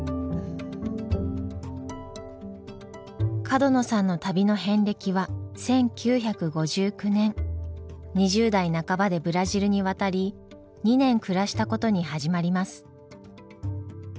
角野さんの旅の遍歴は１９５９年２０代半ばでブラジルに渡り２年暮らしたことに始まります。